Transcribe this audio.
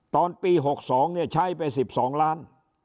ตอนปี๖๒เนี่ยใช้ไป๑๒ล้าน